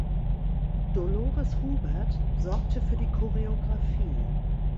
Dolores Hubert sorgte für die Choreographie.